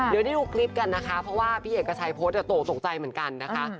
เดี๋ยวได้ดูคลิปกันนะคะเพราะว่าพี่เอกชัยโพสต์ตกตกใจเหมือนกันนะคะ